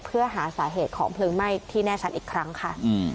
เพื่อหาสาเหตุของเพลิงไหม้ที่แน่ชัดอีกครั้งค่ะ